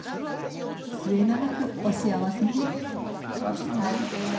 末永くお幸せに。